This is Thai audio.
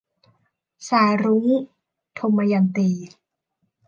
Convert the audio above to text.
สายรุ้ง - ทมยันตี